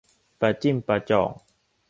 ประจิ้มประจ่อง